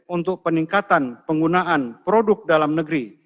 untuk peningkatan penggunaan produk dalam negeri